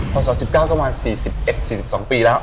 พศ๑๙ก็มา๔๑๔๒ปีแล้ว